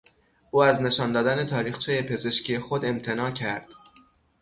او از نشان دادن تاریخچهی پزشکی خود امتناع کرد.